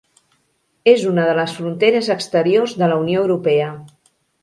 És una de les fronteres exteriors de la Unió Europea.